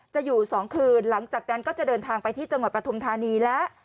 อยู่๒คืนหลังจากนั้นก็จะเดินทางไปที่จังหวัดปฐุมธานีและ